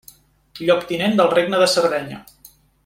Lloctinent del regne de Sardenya.